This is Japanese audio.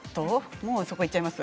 もうそこいっちゃいますか。